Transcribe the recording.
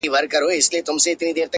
نسه ـ نسه يو داسې بله هم سته!!